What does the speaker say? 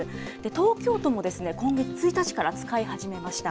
東京都も今月１日から使い始めました